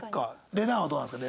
れなぁはどうなんですか？